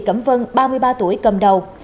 cẩm vân ba mươi ba tuổi cầm đầu